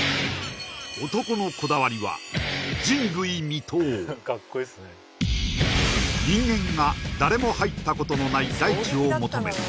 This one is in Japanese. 男のこだわりは人間が誰も入ったことのない大地を求め